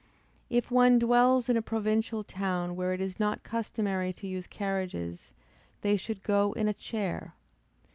If one dwells in a provincial town where it is not customary to use carriages, they should go in a chair.